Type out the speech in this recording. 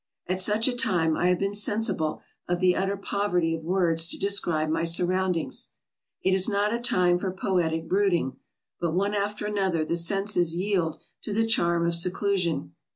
At such a time I have been sensible of the utter poverty of words to describe my surroundings. It is not a time for poetic brooding, but one after another the senses yield to the charm of seclusion.